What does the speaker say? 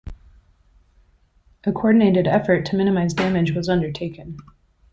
A coordinated effort to minimise damage was undertaken.